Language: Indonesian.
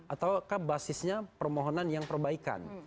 ataukah basisnya permohonan yang perbaikan